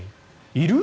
いる？